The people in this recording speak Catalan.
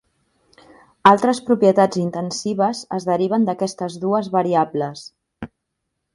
Altres propietats intensives es deriven d'aquestes dues variables.